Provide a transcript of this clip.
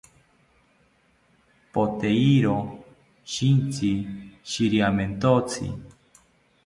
Poteiro shintsi shiriamentotzi